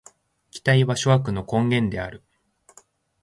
期待は諸悪の根源である。